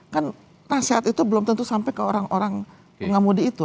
kan nasihat itu belum tentu sampai ke orang orang pengemudi itu